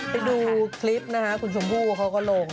ไปดูคลิปนะคะคุณชมพู่เขาก็ลง